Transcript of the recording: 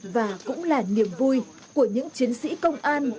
và cũng là niềm vui của những chiến sĩ công an